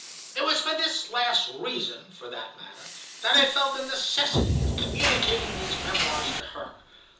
It was for this last reason, for that matter, that I felt the necessity of communicating these memoirs to her.